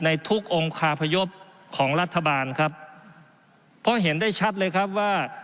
ในทุกองค์คาพยพของรัฐบาลครับเพราะเห็นได้ชัดเลยครับว่า